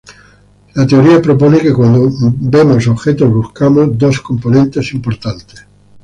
La teoría propone que cuando vemos objetos buscamos dos componentes importantes.